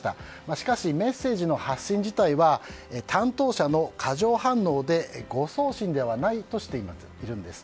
しかし、メッセージの発信自体は担当者の過剰反応で誤送信ではないとしているんです。